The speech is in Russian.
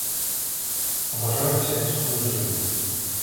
Обожаю всяческую жизнь!